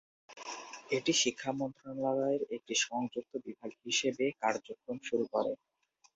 এটি শিক্ষা মন্ত্রণালয়ের একটি সংযুক্ত বিভাগ হিসেবে কার্যক্রম শুরু করে।